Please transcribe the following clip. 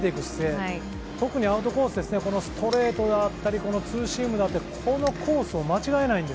アウトコース、ストレートであったりツーシームであったりこのコースを間違えない。